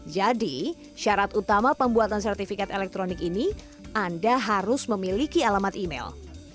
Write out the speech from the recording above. jadi syarat utama pembuatan sertifikat elektronik ini anda harus memiliki alamat email